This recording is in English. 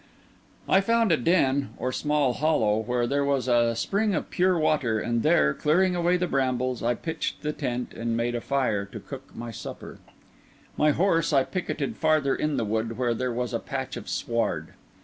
I found a den, or small hollow, where there was a spring of pure water; and there, clearing away the brambles, I pitched the tent, and made a fire to cook my supper. My horse I picketed farther in the wood where there was a patch of sward.